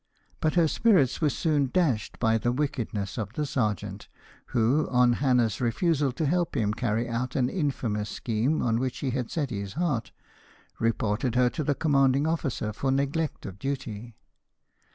But her spirits were soon dashed by the wickedness of the sergeant, who on Hannah's refusal to help him to carry out an infamous scheme on which he had set his heart, reported her to the commanding officer for neglect of duty.